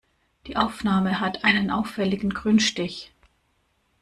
Die Aufnahme hat einen auffälligen Grünstich.